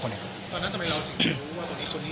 ตอนนั้นทำไมเราถึงรู้ว่าคนนี้คนนี้